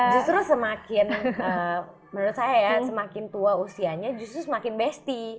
justru semakin menurut saya ya semakin tua usianya justru semakin besti